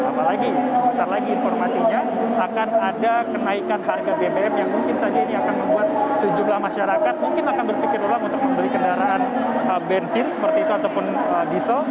apalagi sebentar lagi informasinya akan ada kenaikan harga bbm yang mungkin saja ini akan membuat sejumlah masyarakat mungkin akan berpikir ulang untuk membeli kendaraan bensin seperti itu ataupun diesel